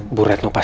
aku mau ke rumah